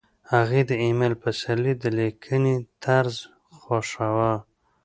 هغې د ایمل پسرلي د لیکنې طرز خوښاوه